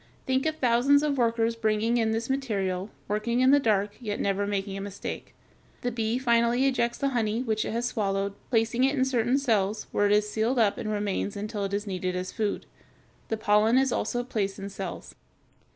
Think of thousands of workers bringing in this material, working in the dark, yet never making a mistake. The bee finally ejects the honey which it has swallowed, placing it in certain cells, where it is sealed up and remains until it is needed as food. The pollen is also placed in cells.